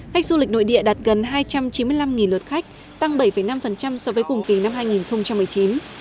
khách du lịch nội địa đạt gần hai trăm chín mươi năm lượt khách tăng bảy năm so với cùng kỳ năm hai nghìn một mươi chín